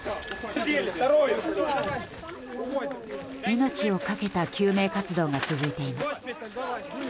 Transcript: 命を懸けた救命活動が続いています。